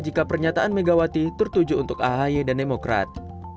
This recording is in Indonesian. jika pernyataan megawati tertuju untuk ahy dan demokrat